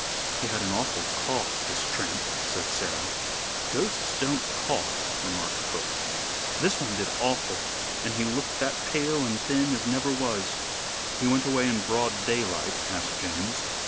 "He had an awful cough, this tramp," said Sarah. "Ghosts don't cough," remarked cook. "This one did awful, and he looked that pale and thin as never was." "He went away in broad daylight?" asked James.